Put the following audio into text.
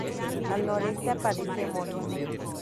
Al noreste aparece Emory.